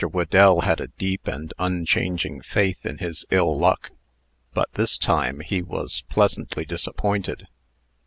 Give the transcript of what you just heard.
Whedell had a deep and unchanging faith in his ill luck; but, this time, he was pleasantly disappointed.